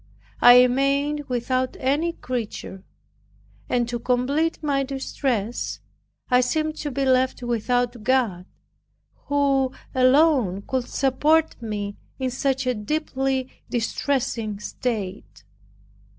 I remained without any creature; and to complete my distress, I seemed to be left without God, who alone could support me in such a deeply distressing state.